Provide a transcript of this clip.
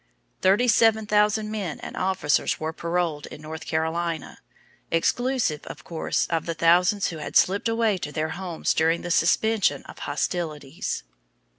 Thirty seven thousand men and officers were paroled in North Carolina exclusive, of course, of the thousands who had slipped away to their homes during the suspension of hostilities.